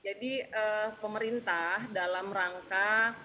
jadi pemerintah dalam rangka